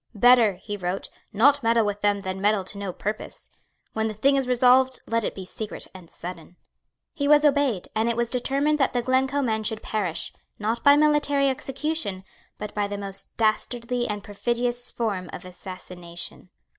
"Better," he wrote, "not meddle with them than meddle to no purpose. When the thing is resolved, let it be secret and sudden." He was obeyed; and it was determined that the Glencoe men should perish, not by military execution, but by the most dastardly and perfidious form of assassination.